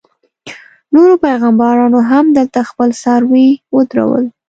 نورو پیغمبرانو هم دلته خپل څاروي ودرول.